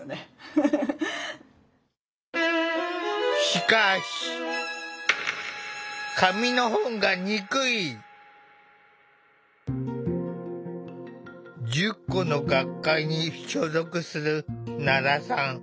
しかし１０個の学会に所属する奈良さん。